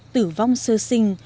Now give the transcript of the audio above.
tử vong sơ sinh